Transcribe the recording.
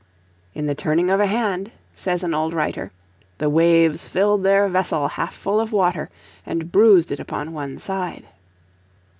"In the turning of a hand," says an old writer, "the waves filled their vessel half full of water, and bruised it upon one side."